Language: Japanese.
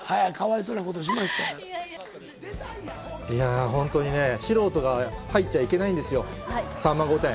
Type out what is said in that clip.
いやー、本当にね、素人が入っちゃいけないんですよ、さんま御殿！